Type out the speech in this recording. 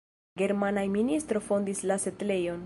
Germanaj ministo fondis la setlejon.